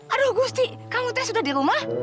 aduh gusti kamu teh sudah di rumah